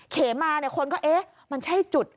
เขมาเนี่ยคนก็เอ๊ะมันใช่จุด